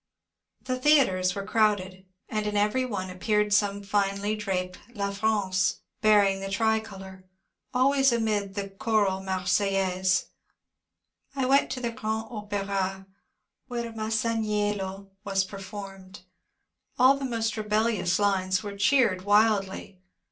The theatres were crowded, and in every one appeared some finely draped '' La France," bearing the tri colour, always amid the choral '^ Marseillaise." I went to the Grand Op^ra, where *' Masaniello " was performed. All the most rebellious lines were cheered wildly.